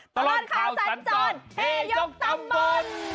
ตลอดข่าวสรรค์ก่อนให้ยกตำบล